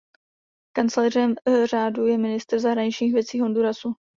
Kancléřem řádu je ministr zahraničních věcí Hondurasu.